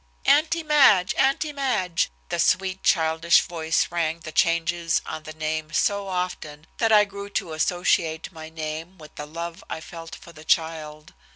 "Auntie Madge, Auntie Madge," the sweet childish voice rang the changes on the name so often that I grew to associate my name with the love I felt for the child.